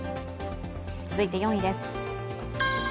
続いて４位です。